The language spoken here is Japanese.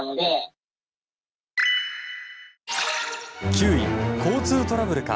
９位、交通トラブルか。